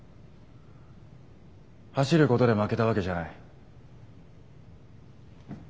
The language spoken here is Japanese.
走ることで負けたわけじゃない。